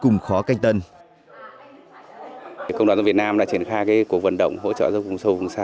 công đoàn giáo dục việt nam đã triển khai cuộc vận động hỗ trợ giáo dục vùng sâu vùng xa